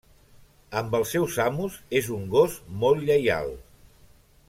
Amb els seus amos és un gos molt lleial.